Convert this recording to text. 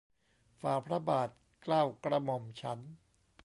ฝ่าพระบาท เกล้ากระหม่อมฉัน